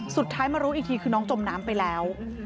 สุดท้ายมารู้อีกทีคือน้องจมน้ำไปแล้ว